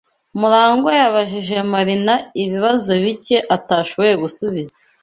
MuragwA yabajije Marina ibibazo bike atashoboye gusubiza.